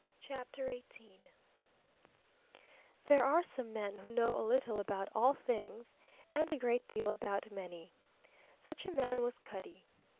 CHAPTER XVIII There are some men who know a little about all things and a great deal about many. Such a man was Cutty.